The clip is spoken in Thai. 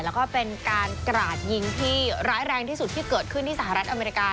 แล้วก็เป็นการกราดยิงที่ร้ายแรงที่สุดที่เกิดขึ้นที่สหรัฐอเมริกา